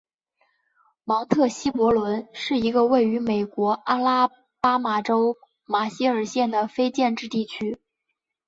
芒特希伯伦是一个位于美国阿拉巴马州马歇尔县的非建制地区。